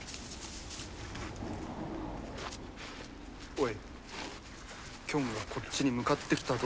おいキョンがこっちに向かってきたぞ。